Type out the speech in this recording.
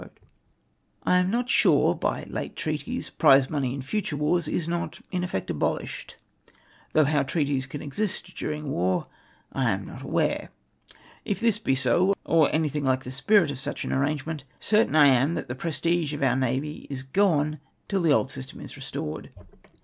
I am not sure that by late treaties prize money in futm e wars is not in effect abolished, though how treaties can exist during war I am not aware. If this be so, or anytliing like the spirit of such an arrangement, certain I am that the prestige of our navy is gone till the old system is restored.